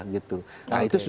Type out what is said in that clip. nah itu sudah ada ciri cirinya